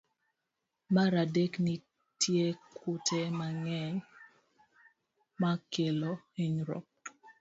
Mar adek, nitie kute mang'eny makelo hinyruok.